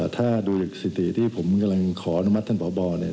ถ้าดูสิติที่ผมกำลังขออนุมัติท่านพบเนี่ย